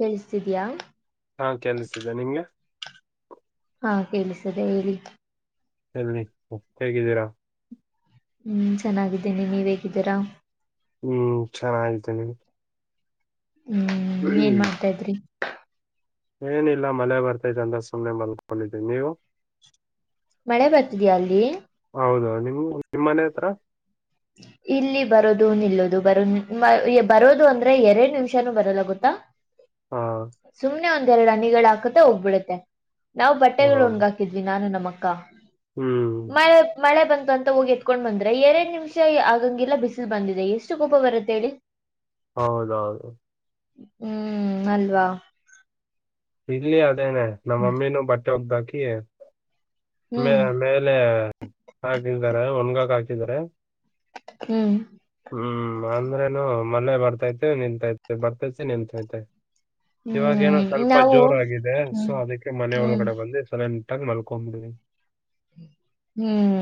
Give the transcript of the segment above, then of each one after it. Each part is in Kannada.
ಕೇಳಿಸ್ತಿದ್ಯಾ ಹಾ ಕೆಲ್ಸಿದೆ ನಿಗೆ ಹಾ ಕೇಳಿಸದೆ ಹೇಳಿ ಎಲ್ನಿ ಒಪ್ಪ ಹೇಗಿದ್ದೀರಾ ಹ್ಮ್ ಚೆನ್ನಾಗಿದ್ದೇನೆ ನೀವ್ ಹೇಗಿದ್ದೀರಾ ಹ್ಮ್ ಚೆನ್ನಾಗಿದ್ದೇನೆ ಹ್ಮ್ ಏನ್ ಮಾಡ್ತಾ ಇದ್ರಿ ಏನಿಲ್ಲ ಮಳೆ ಬರ್ತಾ್ರ ಅಂದ್ರ ಸುಮ್ಮ್ನೆ ಮಲ್ಕೊಂಡಿದೀಿ ನೀವು ಮಳೆ ಬರ್ತಿದಯಾ ಅಲ್ಲಿ ಹ್ಮ್ ನಿಮ್ಮ ಮನೆ ಹತ್ರ ಹ ಇಲ್ಲಿ ಬರೋದು ನಿಲ್ಲೋದು ಬರೋ ಬರೋದು ಅಂದ್ರೆ ಎರಡ್ ನಿಮಿಷಾನೂ ಬರಲ್ಲ ಗುತ್ತಾ ಹಾ ಸುಮ್ನೆ ಒಂದೆರಡು ಅನಿಗಳ ಹಾಕುತ್ತ ಹೋಗ್ಬಿಡುತ್ತೆ ನಾವು ಹಾ. ಬಟ್ಟೆಗಳು ಒಣ್ ಹಾಕಿದ್ವಿ ನಾನು ನಮ್ಮ ಅಕ್ಕ ಹ್ಮ್ ಮಳೆ ಮಳೆ ಬಂದ ಅಂತ ಹೋಗಿ ಎತ್ಕೊಂಡ್ ಬಂದ್ರೆ ಎರಡ್ ನಿಮಿಷ ಆಗಂಗಿಲ್ಲ ಬಿಸಿಲ್ ಬಂದಿದೆ ಎಷ್ಟು ಕೋಪ ಬರುತ್ತೆ ಹೇಳಿ ಹೌದ ಹೌದುೌ ಹ್ಮ್ ನಲ್ವಾ ಇಲ್ಲಿ ಅದೇನೆ ನಮ್ಮಮ್ಮಿನೂ ಬಟ್ಟೆ ಒದ್ದಾಕಿ ಮೇ ಹ್ಮ್ ಮೇಲೆ ಹಾಕಿದ್ದಾರೆ ಒಣಗಾಕ್ ಹಾಕಿದಿದ್ದಾರೆ ಹ್ಮ್ ಹ್ಮ್ ಅಂದ್ರೇನು ಮಳೆ ಬರ್ತೈತೆ ನಿಂತತೆ ಬರ್ತೈತೆ ನಿತ್ೈತೆ ಇವಾಗ ಏನೋ ಹ್ಮ್ ಸ್ವಲ್ಪ ತು ನಾವು ಜೋರ ಆಗಿದೆ ಸೊ ಹ್ಮ್ ಅದಕ್ಕೆ ಮನೆ ಹ್ಮ್ ಒಳಗಡೆ ಬಂದು ಸಲ ನಿಟ್ಟಾಗಿ ಮಲ್ಕೊಂಬಿಡವಿ ಹ್ಮ್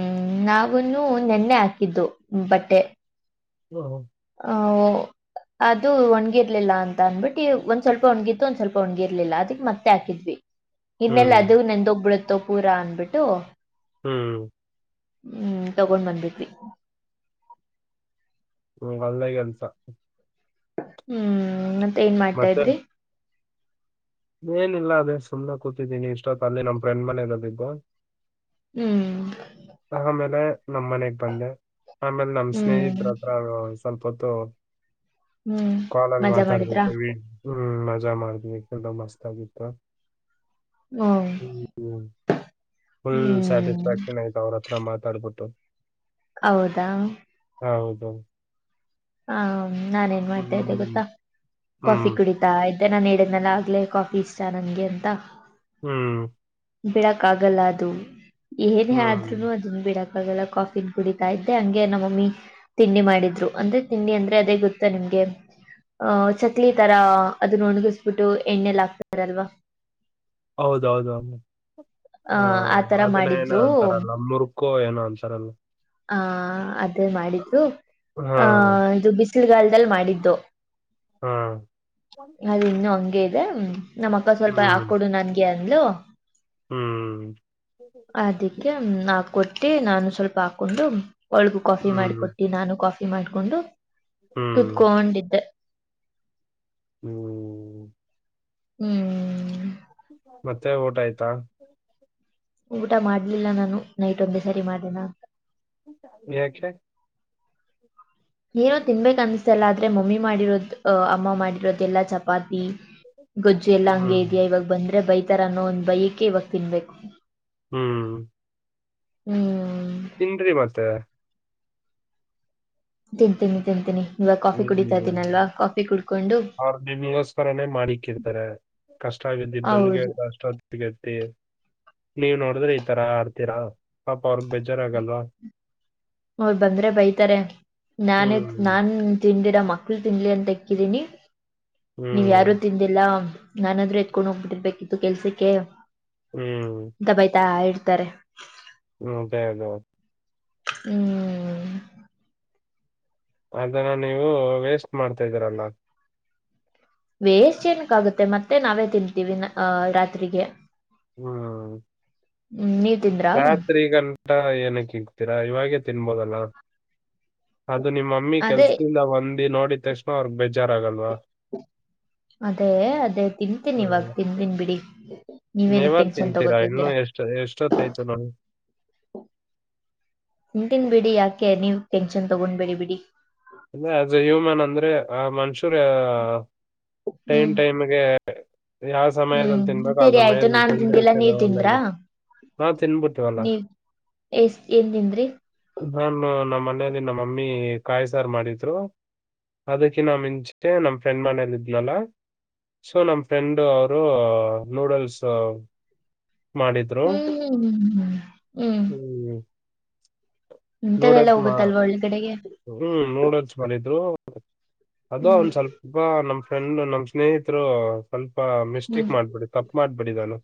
ನಾವನು ನೆನ್ನೆ ಹಾಕಿದ್ದು ಬಟ್ಟೆ ಹ್ಮ ಹ್ಮ ಹ ಅದು ಒಣ್ಗಿರ್ಲಿಲ್ಲ ಅಂತ ಅಂದ್ಬಿಟ್ಟಿ ಒಂದ್ ಸ್ವಲ್ಪ ಒಣ್ಗಿತ್ತು ಒಂದ್ ಸ್ವಲ್ಪ ಒಣ್ಗಿರ್ಲಿಲ್ಲ ಅದಕ್ ಮತ್ತೆ ಹಾಕಿದ್ವಿ ಇನ್ನೆಲ್ಲ ಹ್ಮ್ ಅದು ನೆಂದೊೋಗಬಿಡುತ್ತೋ ಪೂರಾ ಅನ್ಬಿಟ್ಟು ಹ್ಮ್ ಹ್ಮ್ ತಗೊಂಡ್ ಬಂದಬಿದವಿ ಹ್ಮ್ ಅಲ್ಲೇ ಕೆಲ್ಸ ಹ್ಮ್ ಮತ್ತೆ ಏನ್ ಮಾಡ್ತಾ ಮತ್ತೆ ಇದ್ರಿ ಏನಿಲ್ಲ ಅದೇ ಸುಮ್ನೆ ಕೂತಿದ್ದೀನಿ ಇಷ್ಟೊತ್ ಅಲ್ಲಿ ನಮ್ ಫ್ರೆಂಡ್ ಮನೆ ಇರೋದ್ದು ಹ್ಮ್ ಆ ಆಮೇಲೆ ನಮ್ ಮನೆಗ್ ಬಂದೆ ಆಮೇಲೆ ನಮ್ ಹ್ಮ್ ಸ್ನೇಹಿತರತ್ರ ಸ್ವಲ್ಪ ಹೊತ್ತು ಹ್ಮ್ ಕಾಲಲ್ಲಿ ಮಜಾ ಮಾಡಿದ್ರಾ ಮಾತಾಡ್ಬೇಕು ಹ್ಮ ಪೂಜಾ ಮಾಡಿದ್ವಿ ಕೆಲ್ಲ ಮಸ್ತ್ ಆಗಿತ್ತು ಹ್ಮ್ ಹುಲ್ ಹ್ಮ್ ಸೆಟಿಸಸ್ಫ್ಯಾಕ್ಷನ್ ಆ ಹತ್ರ ಮಾತಾಡ್ಬಿಟ್ಟು ಹೌದಾ ಹೌದು ಹಾ ನಾನ ಏನ್ ಮಾಡ್ತಾ ಇದ್ದೆ ಹ್ಮ್ ಗೊತ್ತಾ ಹ್ಮ್ ಕಾಫಿ ಕುಡಿತಾ ನಾನ ಇಡ್ನೆಲ್ಲ ಆಗ್ಲೇ ಕಾಫಿ ಇಷ್ಟ ನನಗೆ ಅಂತ ಹ್ಮ್ ಬಿಡಕ್ ಆಗಲ್ಲ ಅದು ಏನ್ ಹ್ಮ್ ಆದ್ರು ಅದನ್ ಬಿಡಕ್ ೆಲ್ಲ ಕಾಫನ್ ಕುಡಿತಾ ಇದ್ದೆ ಹಂಗೆ ನಮ್ಮಮ್ಮಿ ತಿಂಡಿ ಮಾಡಿದ್ರು ಅಂದ್ರೆ ತಿಂಡಿ ಅಂದ್ರೆ ಅದೇ ಗೊತ್ತಾ ನಿಮ್ಗೆ ಅಹ ಚಕ್ಲಿ ತರ ಅದನ್ನ ಒಣಗಿಸಬಿಟ್ಟು ಎಣ್ಣೆಲ್ಲ ಹಾಕ್ತಾರಲ್ವಾ ಹೌದೌದುದು ಆ ಹಾ ಆತರ ಅದನ್ನ ಏನ ಮಾಡಿದ್ರು ಅಂತಾರಲ್ಲ ನೂರು ಕೊ ಏನು ಆನ್ಸರ್ ಅಲ್ಲ ಆ ಅದೇ ಮಾಡಿದ್ರು ಹಾ ಆಹ ಇದು ಬಿಸಿಲುಗಲ್ದಲ್ಲಿ ಮಾಡಿದ್ದು ಹಾ ಅದ ಇನ್ನು ಹಂಗೆ ಇದೆ ನಮ್ಮ ಅಕ್ಕ ಸ್ವಲ್ಪ ಹ್ಮ್ ಹಾಕ್ಕೊಡು ನನ್ಗೆ ಅ ಹ್ಮ್ ಅದಕ್ಕೆ ಹಾಕೊಟ್ಟಿ ನಾನು ಸ್ವಲ್ಪ ಹಾಕ್ ಹಾಕೊಂಡು ಒಳಗು ಕಾಫಿ ಹ್ಮ್ ಮಾಡಿಕೊಟ್ಟಿ ನಾನು ಕಾಫಿ ಮಾಡ್ಕೊಂಡು ಹ್ಮ್ ಕೂತ್ಕೊಂಡಿದ್ದೆ ಹ್ಮ್ ಹ್ಮ್ ಮತ್ತೆ ಊಟ ಆಯ್ತಾ ಊಟ ಮಾಡ್ಲಿಲ್ಲ ನಾನು ನೈಟ್ ಒಂದೆ ಸರಿ ಮಾಡ್ [unintelligible] [unintelligible] ಏನೋ ತಿನ್ಬೇಕ ಅನ್ನಿಸ್ತಿಲ್ಲ ಆದ್ರೆ ಮಮ್ಮಿ ಮಾಡಿರೋದು ಅ ಅಮ್ಮ ಮಾಡಿರೋದು ಎಲ್ಲಾ ಚಪಾತಿ ಗೊಜ್ಜು ಎಲ್ಲಾ ಹಂಗೆ ಹ್ಮ್ ಇದ್ಯಾ ಇವಾಗ್ ಬಂದ್ರೆ ಬೈತಾರೆ ನೋ ಒಂದ್ ಬೈಯಕ್ಕೆ ಇವಾಗ ತಿನ್ಬೇಕು ಹ್ಮ್ ಹ್ಮ್ [unintelligible] ತಿಂತೀನಿ ತಿಂತೀನಿ ಇವಾಗ ಕಾಫಿ ಕುಡಿತಾ ಇದ್ದೀನಲ್ವಾ ಕಾಫಿ ಕುಡ ಅವರು ತಿಂಡಿಗೋಸ್ಕರನೇ ಮಾಡಿಕಿರ್ತಾರೇ ಕಷ್ಟ ಆಗಿದ್ದಿ ಬೆಳಿಗ್ಗೆ ಹೌದು [unintelligible] ನೀವ ನೋಡಿದ್ರೆ ಈ ತರ ಆಡ್ತೀರಾ ಪಾಪ ಅವ್ರಗ್ ಬೇಜಾರ್ ಆಗಲ್ವಾ. ಅವ್ರ್ ಬಂದ್ರೆ ಬೈತಾರೆ ನಾನೇ ಹ್ಮ್ ನಾನ್ [unintelligible] ಮಕ್ಳು ತಿನ್ಲಿ ಅಂತ ಇಕ್ಕಿದೀನಿ ನೀವ್ ಹ್ಮ್ ಯಾರು ತಿಂದಿಲ್ಲ. ನಾನಾದ್ರೂ ಎತ್ಕೊಂಡ್ ಹೋಗ್ಬಿಟ್ಟಿರ್ಬೇಕಿತ್ತು ಕೆಲ್ಸಕ್ಕೆ ಹ್ಮ್ ಅಂತ ಬಯ್ತಾ ಇರ್ತಾರೆ. ಅದೇ ಅದೇ ಹ್ಮ್ ಅದನ್ನ ನೀವು ವೇಸ್ಟ್ ಮಾಡ್ತಾ ಇದ್ದೀರಾಅಲಾ. ವೇಸ್ ಏನಕ್ಕ ಆಗುತ್ತೆ ಮತ್ತೆ ನಾವೇ ತಿನ್ಂತೀವಿ [unintelligible] ರಾತ್ರಿಗೆ. ಹ್ಮ್ ಹ್ಮ್ ನೀವ್ ತಿಂದ್ರಾ? ರಾತ್ರಿಗಂತ ಏನಕ್ ಇಗ್ತೀರಾ ಇವಾಗೇ ತಿನ್ಬೋದಲ್ಲ. ಅದು ನಿಮ್ಮ್ ಮಮ್ಮಿ ಅದೇ ಕೆಲ್ಸದಿಂದ ಬಂದಿ ನೋಡಿದ್ ತಕ್ಷಣ ಅವ್ರಗ್ ಬೇಜಾರ್ ಆಗಲ್ವಾ ಅದೇ ಅದೇ ತಿಂತಿನ್ ಇವಾಗ ಹ್ಮ್ ತಿಂತೀನನ್ ಬಿಡಿ. ನೀವೇನಕ್ ನೀವಾಗ ಟೆನ್ಷನ್ ತಿಂತೀರಾ ಇನ್ನು ತಗೋತಿದ್ದೀರಾ. ಎಷ್ಟ ಎಷ್ಟೊತ್ತಾಯ್ತು ನೋಡಿ ತಿಂತೀನಿ ಬಿಡಿ ಯಾಕ್ ನೀವ್ ಟೆಂಕ್ಷನ್ ತಗೊಂಡ್ಬೇಡಿ ಬಿಡಿ. ಅಂದ್ರ್ ಆಸ್ ಅ ಹ್ಯೂಮನ್ ಅಂದ್ರೆ ಆ ಮನುಷ್ಯರು ಟೈಮ್ ಹ್ಮ್ ಟೈಮ್ಗೆ ಯಾವ ಹ್ಮ್ ಸಮಯದಲ್ಲಿ ತಿನ್ಬೇಕು ಆ ಸರಿ ಆಯ್ತು ಸಮಯದಲ್ಲಿ ನಾನ್ ತಿಂದರೆ ತಿಂದಿಲ್ಲ [unintelligible] ನೀವ್ ತಿಂದ್ರಾ? ಒಳ್ಳೇದು. ಹಾ ತಿನ್ಬುಟ್ಟವಲ್ಲ. ಎಷ್ಟ್ ಏನ್ ತಿಂದ್ರಿ. ನಾ ನಿಮ್ ಮಮ್ಮಿ ಕಾಯ್ಸ್ ಸರ್ ಮಾಡಿದ್ರು ಅದಕ್ಕೆ ನಮ್ [unintelligible] ನಮ್ ಫ್ರೆಂಡ್ ಮನೇಲ್ ಇದ್ನಲ್ಲ. ಸೊ ನಮ ಫ್ರೆಂಡ್ ಅವರು ನೂಡಲ್ಸ್ ಮಾಡಿದ್ರು ಹ್ಮ್ ಹ್ಮ್ ಹ್ಮ್ ಹ್ಮ್ ಇಂತದದೆಲ್ಲ ನೂಡಲ್ಸ್ ಮಾ ಹೋಗುತ್ತಲ್ವಾ ಒಳ್ಗಡೆಗೆ. ಹ್ಮ್ ನೂಡಲ್ಸ್ ಮಾಡಿದ್ರು ಅದು ಹ್ಮ್ ಅವನ್ ಸ್ವಲ್ಪ ನಮ್ ಫ್ರೆಂಡ್ ನಮ್ ಸ್ನೇಹಿತರು ಸ್ವಲ್ಪ ಲ್ಪ ಹ್ಮ್ ಮಿಸ್ಟೇಕ್ ಮಾಡ್ಬಿಡಿ ತಪ್ಪ ಮಾಡ್ಬಿಟಿದಾನೆ.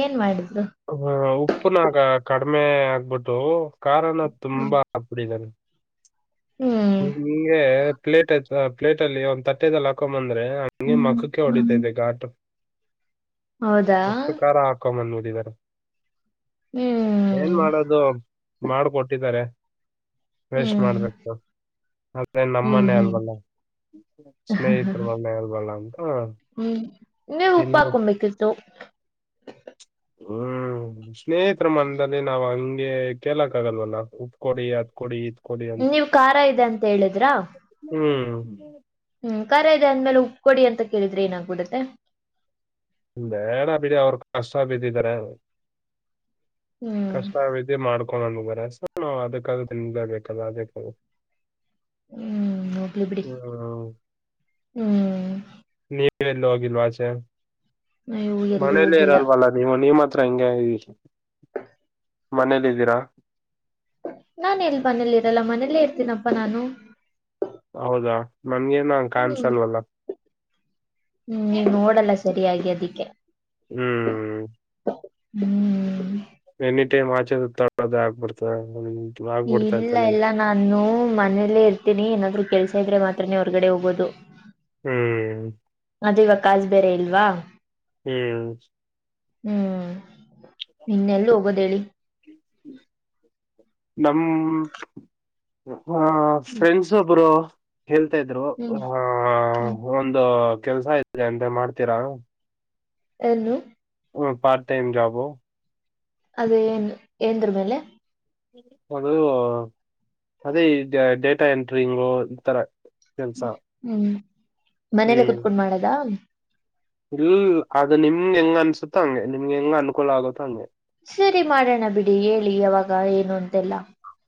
ಏನ್ ಮಾಡಿದ್ರು? ಹ ಉಪ್ಪುನಾಗ ಕಡಿಮೆ ಆಗ್ಬಿಟ್ಟು ಖಾರನ ಹ್ಮ್ ತುಂಬಾ ಹಾಕ್ ಬಿಟಿದಾನೆ. ಹ್ಮ್ ಹಿಂಗೇ ಪ್ಲೇಟ್ ಪ್ಲೇಟ ಅಲ್ಲಿ ಒಂದ್ ತಟ್ಟೆದಲ್ಲಿ ಹಾಕೊ ಬಂದ್ರೆ ನ್ಗೆ ಮಕ್ಕಕ್ಕೆ ಹೊಡಿತಾದೆ ಗಾಟು. ಹೌದಾ? ಅಷ್ಟು ಖಾರ ಹಾಕೊ ಬಂದ್ಬಿಟ್ಟಿದಾರೆ. ಏನ್ ಹ್ಮ್ ಮಾಡೋದು ಮಾಡಕೊಟ್ಟಿದ್ದಾರೆ. ವೇಸ್ಟ್ ಹ್ಮ್ ಮಾಡ್ಬೇಕು ಅದೇ ಹ್ಮ್ ನಮ್ಮನೆೇ ಹ್ಮ್ ಅಲ್ವಲ್ಲ. ಸ್ನೇಹಿತರು [unintelligible] ಅಂತ ನೀವು ತಿನ್ ಉಪ್ಪಾಕಂಬೇಕತ್ತು. ಹ್ಮ್ ಸ್ನೇಹಿತರ ಮನ್ದಲ್ಲಿ ನಾವ್ ಹಂಗೆ ಕೇಳಕ್ ಆಗಲ್ವಲ್ಲ ಉಪ್ಕೊಡಿ ಅದ್ ಕೊಡಿ ಇದ್ ಕೊಡಿ ಅಂತ ನೀವ್ ಖಾರ ಇದೆ ಅಂತ ಹೇಳಿದ್ರಾ ಹ್ಮ್ ಹ್ಮ್ ಖಾರ ಇದೆ ಅಂದ್ಮೇಲೆ ಉಪ್ಕೊಡಿ ಅಂತ ಕೇಳಿದ್ರೆ ಏನಾಗ್ಬಿಡತ್ತೆ. ಬೇಡ ಬಿಡಿ ಅವ್ರ ಕಷ್ಟ ಬಿದ್ದಿದಾರೆ ಹ್ಮ್ ಕಷ್ಟ [unintelligible] ಮಾಡ್ ೊಂಡ್ೋಗರಸ ನಾವು ಅದಕ್ಕ ತಿಬೇಕಲ್ಲ ಅದಕ್ಕ ಹ್ಮ್ ಹೋಗ್ಲಿ ಬಿಡಿ ಹ್ಮ ಹ್ಮ್ ನೀವಲಗಿಲ್ವಾಚ ನೀವು ಎಲ್ಲೂ ಹೋಗಿಲ್ಲ ಮನೆಲ್ಲರಲ್ವಲ್ಲ ನೀವನಮ್ಮ ಹತ್ರ ಹಂಗೆ ಮನೇಲಿ ಇದಿದ್ದೀರಾ ನಾನ ಎಲ್ ಮನೇಲಿರಲ್ಲ ಮನೇಲ್ಲೇ ಇರ್ತೀನಪ್ಪಾ ನಾನು ಹೌದಾ ನನ್ಗೇನ ಹ್ಮ್ ಕನ್ಸ ಹ್ಮ್ ಅಲ್ವಲ್ಲ ನೀವ್ ನೋಡಲ್ಲ ಸರಿಯಾಗಿ ಅದಿಕ್ಕೆ ಹ್ಮ್ ಹ್ಮ್ ಎನಿ ಟೈಮ್ ಆಚೆ ತಳೋದ ಆಗ್ಬಿಡ್ತದೆ ಇಲ್ಲ ಇಲ್ಲ ನಾನು ಮನೇಲ್ಲೇ ಇರ್ತೀನಿ ಏನಾದ್ರು ಕೆಲ್ಸ ಇದ್ರೆ ಮಾತ್ರ ಹತ್ರನೇ ಹೊರಗಡೆ ಹೋಗೋದು ಹ್ಮ್ ಅದವ ಕಾಸ್ ಬೇರೆ ಇಲ್ವಾ ಹ್ಮ್ ಹ್ಮ್ ನಿನ್ನೆಲ್ಲ ಹೋಗೋದಿ ನಮ ಹ್ಮ್ ಫ್ರೆಂಡ್ಸ್ ಒಬ್ರು ಹೇಳ್ತಾ ಇದ್ರು ಹ್ಮ್ ಆ ಹ್ಮ್ ಒಂದು ಕೆಲ್ಸ ಇದೆ ಅಂತ ಮಾಡ್ತೀರಾ ಎಲ್ಲಿ ಹ ಪಾರ್ಟ ಟೈಮ ಜಾಬ ಅದ ಏನ್ ಏಂದ್ರ ಮೇಲೆ ಅದು ಅದೇ ಡೇಟಾ ಎಂಟ್ರಿಂಗು ಈಥರ ಹ್ಮ್ ಮನೇಲೆ ಕುೂತ್ಕೊಂಡು ಮಾಡದ ಇಲ್ಲ ಅದು ನಿಮ್ಗೆ ಹೆಂಗ ಅನ್ಸುತ್ತ ಹಂಗೆ ನಿಮ್ಗೆ ಹೆಂಗ್ ಅನುಕೂಲ ಆಗುತ್ತ ಹಂಗೆ ಸರಿ ಮಾಡೋಣ ಬಿಡಿ ಹೇಳಿ ಯಾವಾಗ ಏನು ಅಂತೆಲ್ಲ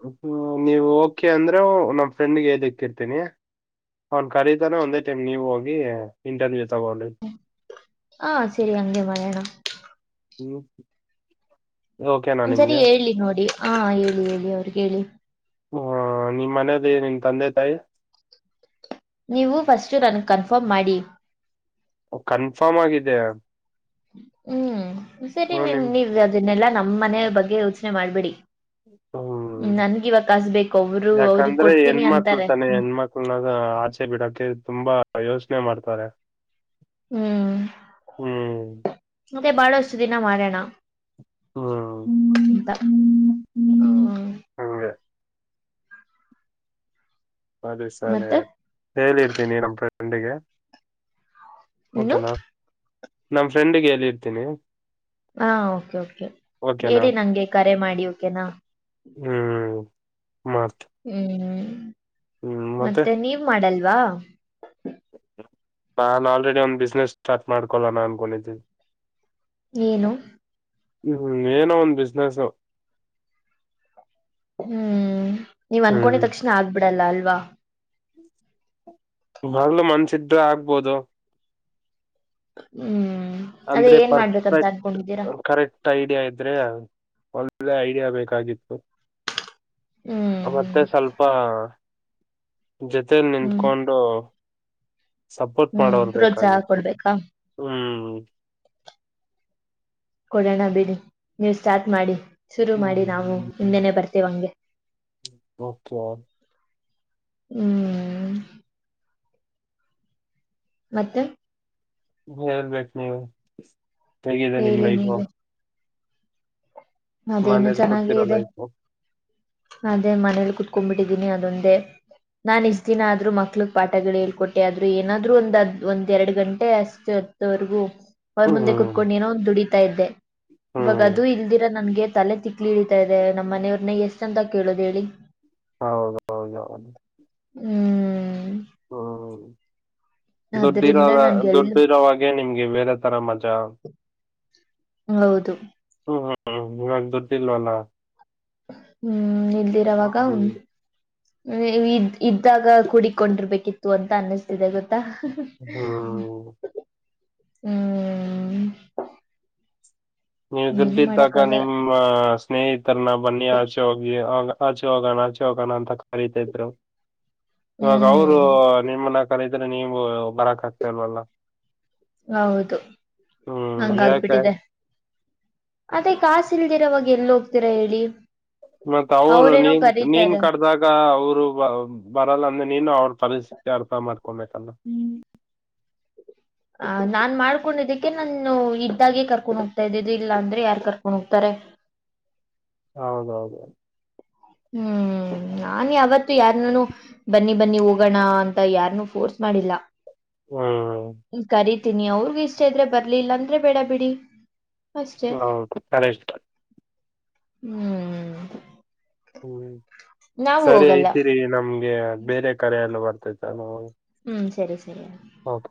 ಹ್ಮ ನೀವು ಓಕೆ ಅಂದ್ರೆ ನಮ್ಮ್ ಫ್ರೆಂಡ್ಗೆ ದಕ್ಕಿರ್ತೀನಿ ಅವ್ನ್ ಕರೀತಾನೆ ಒಂದೇ ಟೈಮ್ ನೀವ ಹೋಗಿ ಇಂಟರ್ವ್ಯೂ ತಗೊಂಡಿ ಹ ಸರಿ ಅಂಗೇ ಮರಯಣ ಹ್ಮ ಒಂದ್ಸರಿ ಹೇಳಿ ನೋಡಿ ಹಾ ಹೇಳಿ ಹೇಳಿ ಅವ್ರಗ್ ಹೇಳಿ ಹ ನಿಮ್ಮ್ ಮನೆಯಲ್ಲಿ ನಿನ್ ತಂದೆ ತಾಯಿ ನೀವು ಫಸ್ಟ್ ರನ್ ಕನ್ಫರ್ಮ್ ಮಾಡಿ ಕನ್ಫರ್ಮ್ ಆಗಿದೆ ಹ್ಮ್ ಸರಿ ಹ್ಮ್ ನೀನ್ ನಿಮ್ ನೀವ್ ಅದನ್ನೆಲ್ಲಾ ನಮ್ಮ್ ಮನೆ ಬಗ್ಗೆ ಯೋಚನೆ ಮಾಡ್ಬಿಡಿ ಹ್ಮ ಬೇಕು ಅವರು ಅವ್ರಿಗೆ ಯಾಕಂದ್ರೆ ಕೊಡ್ತೀನಿ ಹೆಣ್ಮಕ್ಳ ಅಂತಾರೆ ತಾನೆ ಹೆಣ್ಮಕ್ಳನಾಗ ಆಚೆ ಬಿಡಕೆ ತುಂಬಾ ಯೋಚ ಚನೆಮಾಡ್ತಾರೆ ಹ್ಮ್ ಮತ್ತೆ ಬಾರಷ್ಟ ದಿನ ಮಾರಣ ಹಾ ಎಂತ ಹ್ಮ ತ ಸರಿ ಮತ್ತೆ ಸರಿತ ಹೇಳಿರ್ತೀನಿ ನಮ ಫ್ರೆಂಡಿಗೆ ಇನ್ನು ಓಕೆನಾ ನಮ್ಮ ಫ್ರೆಂಡಿಗೆ ಎಲ್ಲಿ ಇರ್ತೀನಿ ಹಾ ಕೆ ಕೆ ಹೇಳಿ ನಂಗೆ ಕರೆ ಮಾಡಿ ಓಕೆನಾ ಹ್ಮ್ ಮ ಹ್ಮ್ ಮತ್ತೆ ನೀವ್ ಮಾಡಲ್ವಾ ನಾು ಆಲ್ರೆಡಿ ಒಂದ ಬಿಸ್ನೆಸ್ ಸ್ಟಾರ್ಟ್ ಮಾಡ್ಕೊಳೋಣ ಅನ್ಕೊಂಡಿದ್ದೀಿ ಏನು ಹ್ಮ್ ಏನ ಒಂದ್ ಬಿಸ್ನೆಸ್ ಹ್ಮ್ ನೀವ್ ಅನ್ಕೊಂಡಿದ ತಕ್ಷಣ ಆಗ್ಬಿಡಲ್ಲ ಅಲ್ವಾ ಮಾಗ್ಲು ಮನ್ಸಿದ್ರೆ ಆಗ್ಬೋದು ಹ್ಮ್ ಅದೇ ಅಂದ್ರೆ ಏನ್ ಪರ್ಫೆಕ್ಟ್ ಮಾಡ್ಬೇಕಂತ ಅನ್ಕೊಂಡ ಕರೆಕ್ಟ್ ಐಡಿಯಾ ಇದ್ರೆ ಒಳ್ಳೆ ಐಡಿಯಾ ಬೇಕಾಗಿತ್ತು ಹ್ಮ್ ಮತ್ತೆ ಸ್ವಲ್ಪ ಜೊತಲಿ ಹ್ಮ್ ನಿಂತ್ಕೊಂಡು ಸಪೋರ್ಟ್ ಹ್ಮ್ ಮಾಡೋರ್ ಪ್ರೋತ್ಸಾಹ ಬೇಕಾಗಿತ್ತು ಕೊಡ್ಬೇಕಾ ಹ್ಮ್ ಕೊಡೋಣ ಬಿಡಿ ನೀವು ಸ್ಟಾರ್ಟ್ ಮಾಡಿ ಶುರು ಮಾಡಿ ನಾವು ಹಿಂದೆನೆ ಬರ್ತೀವ ಹಂಗೆ ಕ ಹ್ಮ್ ಮತ್ತೆ ಹೇಳ್ಬೇಕು ನೀವ ಹೇಗಿದೆ ನಿಮ್ ಹೇಳಿ ಲೈಗ ನೀವೆ ಅದೇನು ಚೆನ್ನಾಗ ಕೂತಿರೋ ಇದೆ ಲೈಫು ಅದೇ ಮನೇಲಿ ಕುೂತ್ಕೊಂಡ್ಂಬಿಟ್ಟಿದ್ದೀನಿ ಅದೊಂದೇ ನಾನ್ ಇಷ್ಟ ದಿನ ಆದ್ರು ಮಕ್ಳಗ್ ಪಾಠಗಳು ಹೇಳ್ಕೊಟ್ಟೆ ಆದ್ರು ಏನಾದ್ರು ಒಂದದ್ ಒಂದ ಎರಡ್ ಗಂಟೆ ಅಷ್ಟು ತ್ತವರೆಗೂ ಅವ್ರ ಮುಂದೆ ಹ್ಮ್ ಕುೂತ್ಕೊಂಡು ಏನೋ ಒ ದುಡಿತಾ ಇದ್ದೆ ಇವಾಗ ಹ್ಮ್ ಅದು ಇಲ್ದಿರ ನನ್ಗೆ ತಲೆ ತಿಕ್ಲಿ ಹಿಡಿತಾ ಇದೆ ನಮ್ಮ್ನೆಯವ್ರನ್ನ ಎಷ್ಟ ಅಂತ ಕೇಳೋುದು ಹೇಳಿ ಹೌದೌದುದು ಹ್ಮ್ ಹ್ಮ್ ಹ್ಮ ಡ್ಡಿ ಅದ್ರಿಂದ ನನ್ಗೆ ಎಳ್ಳು ದುಡ್ಡಿರೋವಾಗೆ ನಿಮ್ಗೆ ಬೇರೆ ತಥರ ಮಜಾ ಹೌದು ಹ ಹದುರ್್ದಿನ ವಾ ಹ್ಮ್ ನಿಲ್ದಿರವಾಗ ಹ್ಮ್ ಉನ್ ಇದ್ ಇದ್ದಾಗ ಕುೂಡಕೊಂಡಿರ್ಬೇಕಿತ್ತು ಅಂತ ಅನ್ನಿಸ್ತಿದೆ ಗೊತ್ತ ಹ್ಮ್ ಹ್ಮ ನೀವು ದುಡ್ಡಿದ್ದಾಗ ನಿಮ್ಮ ಸ್ನೇಹಿತರನ್ನ ಬನ್ನಿ ಆಚೆ ಹೋಗಿ ಆಗ ಆಚೆ ಹೋಗೋಣ ಆಚೆ ಹೋಗೋಣ ಅಂತ ಕರತಿದ್ರು ಇವಾಗ ಹ್ಮ್ ಅವರು ನಿಮ್ಮನ್ನ ಕರತ ಇದ್ರೆ ನೀವು ಬರಕ್ ಆಗ್ತಾ ಇಲ್ವಲ್ಲ ಹೌದು ಹ್ಮ್ ಯಾಕೆ ನಂಗಲ್ಬಿಟ್ಟಿದೆೆ ಅದೇ ಕಾಸ ಇಲ್ದಿರ ಅವಾಗ ಎಲ್ ಹೋಗ್ತಿೀರಾ ಹೇಳಿ ಮತ್ತ ಅವರು ಅವ್ರೇನೋ ನೀನ್ ನೀನ್ ಕರೀತಾರೆ ಕಡ್ದಾಗ ಅವರು ಬರಲ್ಲ ಅಂದ್ರೆ ನೀನು ಅವರು ತಲಸ ಚಾರ್ಪ ಮಾಡ್ಕೊಂಬತಲ್ಲ ಆ ನಾನ್ ಮಾಡ್ಕೊಂಡಿದ್ದಕ್ಕೆ ನಾನು ಇದ್ದಾಗೆ ಕರ್ಕೊಂಡ್ ಹೋಗ್ತಾ ಇದ್ದದು ಇಲ್ಲಾ ಅಂದ್ರೆ ಯಾರ್ು ಕರ್ಕೊಂಡ್ ಹೋಗ್ತಾರೆ ಹ ಹೌದೌದು ಹ್ಮ್ ನಾನನ್ ಅವಾವತ್ತು ಯಾರೂನು ಬನ್ನಿ ಬನ್ನಿ ಹೋಗೋಣ ಅಂತ ಯಾರನುೂ ಫೋರ್ಸ್ ಮಾಡಿಲ್ಲ ಹ್ಮ್ ಕರಿತೀನಿ ಅವ್ರಗ ಇಷ್ಟ ಇದ್ರೆ ಬರ್ಲಿಲ್ಲಾಂದ್ರೆ ಬೇಡ ಬಿಡಿ ಅಷ್ಟೆ ಹೌದು ಅ ಇಷ್ಟ ಹ್ಮ್ ಹ್ಮ್ ನಾವು ಸರಿ ಹೋಗಲ್ಲ ಐತಿೀರಿ ನಮ್ಗೆ ಬೇರೆ ಕರ ಎಲ್ಲ ಬರ್ತೈತ ನೋ ಹ್ಮ್ ಸರಿ ಸರಿ ಹೌದು